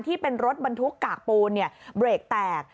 ที่เป็นรถบรรทุกกากปูนเบรกแตก